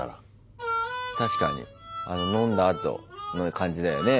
確かにあの飲んだあとの感じだよね。